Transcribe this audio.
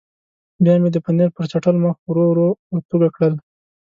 بیا مې د پنیر پر چټل مخ ورو ورو ورتوږه کړل.